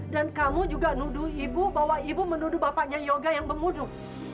dan kamu juga nuduh ibu bahwa ibu menuduh bapaknya yogar yang memuduh